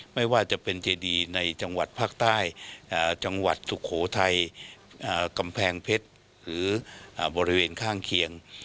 ไม่ว่าจะเป็นเจดีในจังหวัดภาคใต้จังหวัดสุโขทัยกำแพงเพชรหรือบริเวณข้างเคียง